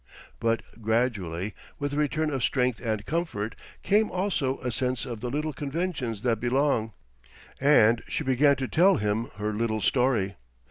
But gradually, with the return of strength and comfort, came also a sense of the little conventions that belong; and she began to tell him her little story.